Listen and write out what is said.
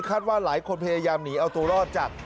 ว่าหลายคนพยายามหนีเอาตัวรอดจาก